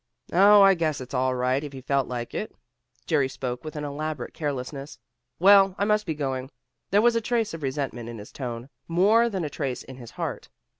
"Oh, I guess it's all right, if he felt like it." Jerry spoke with an elaborate carelessness. "Well, I must be going." There was a trace of resentment in his tone, more than a trace in his heart.